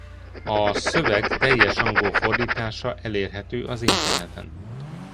A szöveg teljes angol fordítása elérhető az interneten.